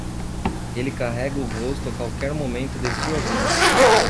Ele carrega o rosto a qualquer momento de sua vida.